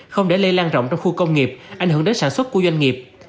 không để lây lan rộng trong khu công nghiệp ảnh hưởng đến sản xuất của doanh nghiệp